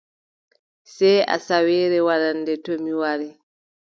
Sey asawaare warande, to mi wari.